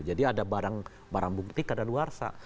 jadi ada barang bukti keadaan luar sah